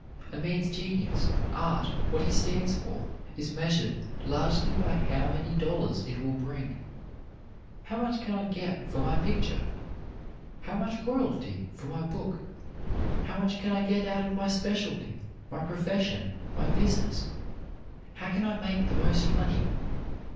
A man's genius, art, what he stands for, is measured largely by how many dollars it will bring. "How much can I get for my picture?" "How much royalty for my book?" "How much can I get out of my specialty, my profession, my business?" "How can I make the most money?"